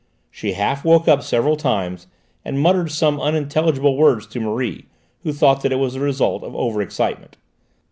She half woke up several times and muttered some unintelligible words to Marie, who thought that it was the result of over excitement.